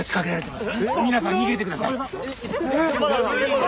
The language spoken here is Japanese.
皆さん逃げてください。